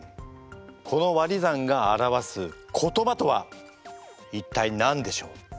このわり算が表す言葉とは一体何でしょう？